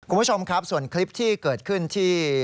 คุณผู้ชมครับส่วนคลิปที่เกิดขึ้นที่